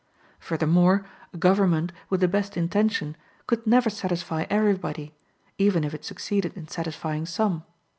Furthermore, a government, with the best intention, could never satisfy everybody, even if it succeeded in satisfying some.